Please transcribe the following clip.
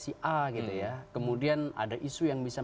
si a gitu ya kemudian ada isu yang bisa